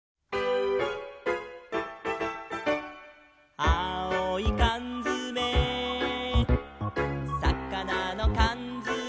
「あおいかんづめ」「さかなのかんづめ」